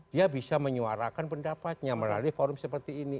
dia bisa menyuarakan pendapatnya melalui forum seperti ini